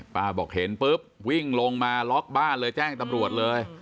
บอกเห็นปุ๊บวิ่งลงมาล็อกบ้านเลยแจ้งตำรวจเลย